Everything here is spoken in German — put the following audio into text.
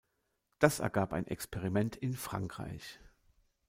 Das ergab ein Experiment in Frankreich.